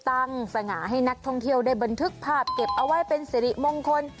สง่าให้นักท่องเที่ยวได้บันทึกภาพเก็บเอาไว้เป็นสิริมงคล